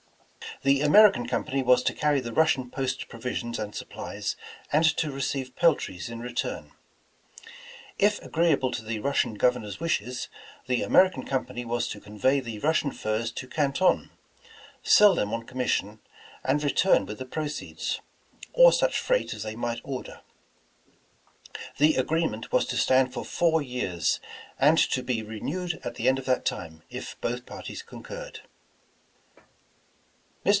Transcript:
The American Company was to carry the Russian post provisions and supplies and to receive pel tries in return. If agreeable to the Russian Govern or's wishes, the American Cumpany was to convey the 202 Despatches to Mr. Astor Russian furs to Canton, sell them on commission, and return with the proceeds, or such freight as they might order. The agreement was to stand for four years, and to be renewed at the end of that time, if both parties concurred. Mr.